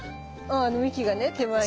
幹がね手前に。